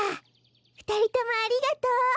ふたりともありがとう。